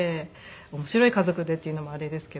面白い家族でっていうのもあれですけど。